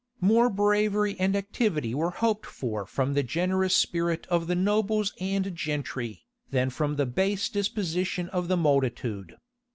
More bravery and activity were hoped for from the generous spirit of the nobles and gentry, than from the base disposition of the multitude.